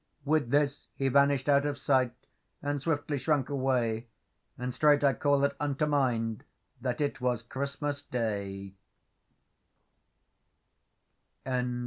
'With this He vanish'd out of sightAnd swiftly shrunk away, And straight I callèd unto mindThat it was Christmas Day.